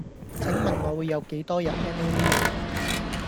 請問我會有幾多日 Annual Leave?